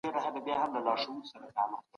ټولنیز چاپېریال په موږ ژوره اغېزه کوي.